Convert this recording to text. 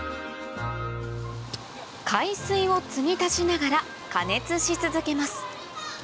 海水をつぎ足しながら加熱し続けます